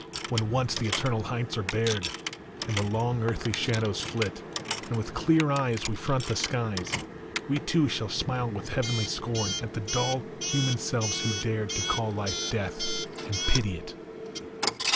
When once the eternal heights are bared, And the long earthly shadows flit, And with clear eyes we front the skies, We too shall smile with heavenly scorn At the dull, human selves who dared To call life " Death " and pity it